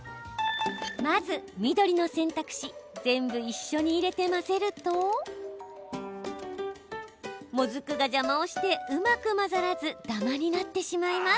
まず、緑の選択肢全部一緒に入れて混ぜるともずくが邪魔をしてうまく混ざらずダマになってしまいます。